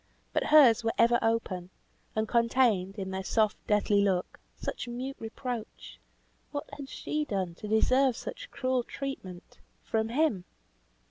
But hers were ever open, and contained, in their soft, deathly look, such mute reproach! What had she done to deserve such cruel treatment from him?